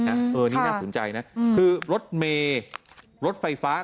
อันนี้น่าสนใจนะคือรถเมย์รถไฟฟ้า